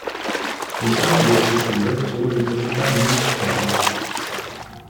Entrambe le strutture sono di proprietà municipale.